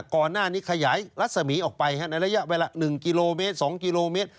ก่อนหน้านี้ขยายรัศมีออกไปในระยะเวลา๑กิโลเมตร๒กิโลเมตร